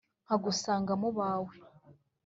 nkagusanga mu bawe